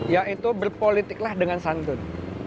yaitu berpolitiklah dengan santun